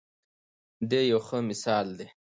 دی یو ښه مثال دی.